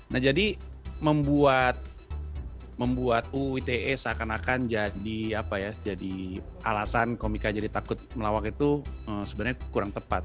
nah jadi membuat uu ite seakan akan jadi alasan komika jadi takut melawak itu sebenarnya kurang tepat